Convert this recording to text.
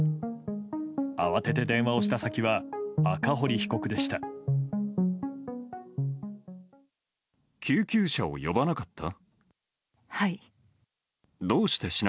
慌てて電話をした先は赤堀被告でした。